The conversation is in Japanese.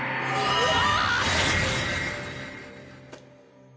うわ！